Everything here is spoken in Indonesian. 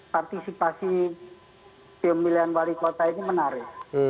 partisipasi pemilihan wali kota ini menarik